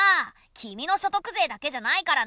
君の所得税だけじゃないからね。